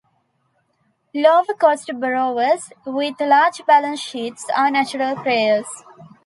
Lower cost borrowers, with large balance sheets, are natural payers.